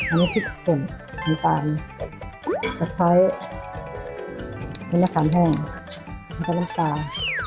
อันนี้พิษปุ่มน้ำตาลผักไพรต้นล้ำตาลแห้งต้นล้ำตาล